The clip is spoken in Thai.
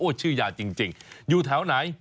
ชื่อยาจริงอยู่แถวไหน